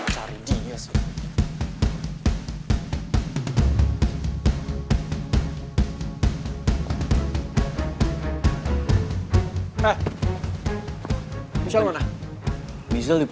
cari dia sih